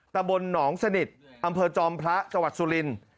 ตะบนหนองสนิทอำเภอจอมพระจังหวัดสุรินทร์